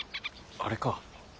あれか。